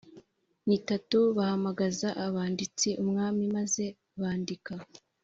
N itatu bahamagaza abanditsi umwami maze bandika